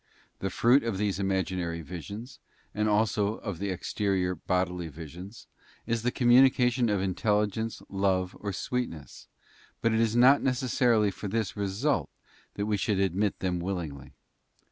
The fruit of these imaginary visions, and also of the exterior bodily visions, is the communication of intelligence, love, or sweet ness, but it is not necessary for this result that we should admit them willingly.